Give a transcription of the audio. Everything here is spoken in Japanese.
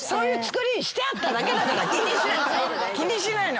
気にしないの。